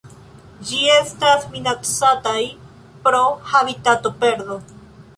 Ĝi estas minacataj pro habitatoperdo.